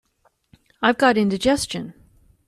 I've got indigestion.